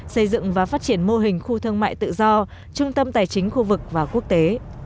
xây dựng và phát triển mô hình khu thương mại tự do trung tâm tài chính khu vực và quốc tế